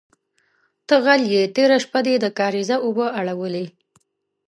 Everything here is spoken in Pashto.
_ته غل يې، تېره شپه دې د کارېزه اوبه اړولې.